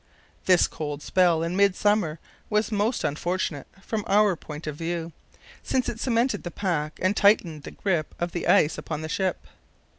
This cold spell in midsummer was most unfortunate from our point of view, since it cemented the pack and tightened the grip of the ice upon the ship.